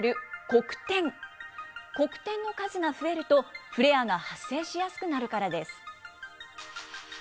黒点の数が増えるとフレアが発生しやすくなるからです。